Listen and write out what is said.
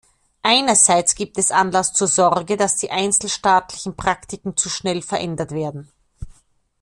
Einerseits gibt es Anlass zur Sorge, dass die einzelstaatlichen Praktiken zu schnell verändert werden.